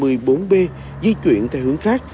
di chuyển theo hướng dẫn các phương tiện chở hàng hóa